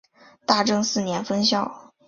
大正四年分校。